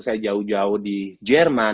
saya jauh jauh di jerman